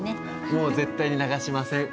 もう絶対に流しません。